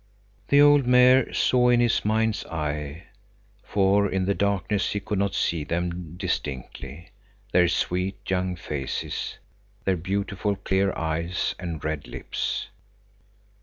The old Mayor saw in his mind's eye, for in the darkness he could not see them distinctly, their sweet, young faces, their beautiful clear eyes and red lips.